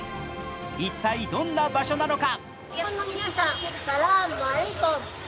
一体どんな場所なのか。